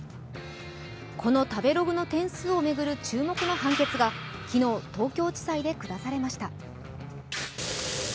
この食べログの点数を巡る注目の判決が昨日、東京地裁で下されました。